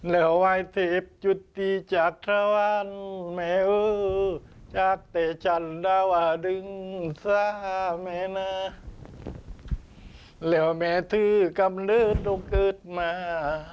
แล้วแม่ที่กำเนิดต้องเกิดมา